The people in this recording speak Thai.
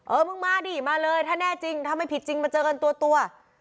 มึงมาดิมาเลยถ้าแน่จริงถ้าไม่ผิดจริงมาเจอกันตัว